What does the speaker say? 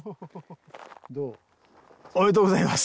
おめでとうございます。